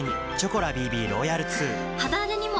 肌荒れにも！